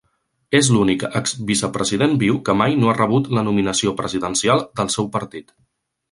És l'únic exvicepresident viu que mai no ha rebut la nominació presidencial del seu partit.